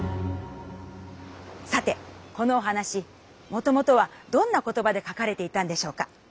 さてこのおはなしもともとはどんな言葉で書かれていたんでしょうか？